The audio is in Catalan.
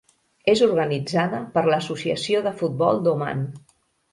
És organitzada per l'Associació de Futbol d'Oman.